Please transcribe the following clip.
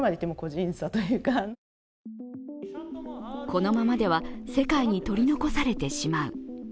このままでは世界に取り残されたしまう。